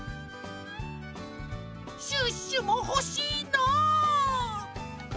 シュッシュもほしいな！